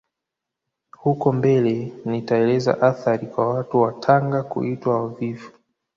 Huko mbele nitaeleza athari kwa watu wa Tanga kuitwa wavivu